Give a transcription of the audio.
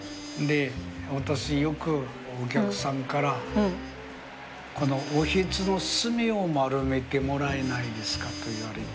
私よくお客さんから「このおひつの隅を丸めてもらえないですか？」と言われて。